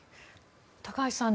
高橋さん